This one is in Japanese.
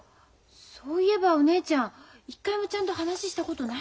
そういえばお姉ちゃん一回もちゃんと話したことないんだよね。